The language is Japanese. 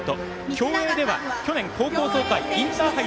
競泳では去年、高校総体インターハイ